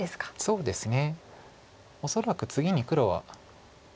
そうですね。